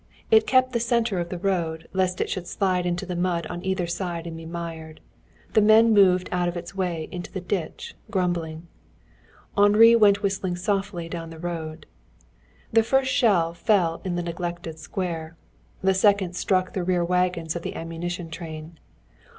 It kept the center of the road, lest it should slide into the mud on either side and be mired. The men moved out of its way into the ditch, grumbling. Henri went whistling softly down the road. The first shell fell in the neglected square. The second struck the rear wagons of the ammunition train.